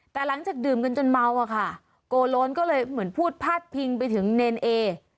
แต่หลังจากดื่มกันจนเมาอะค่ะโกโลนก็เลยเหมือนพูดพาดพิงไปถึงเนรเอ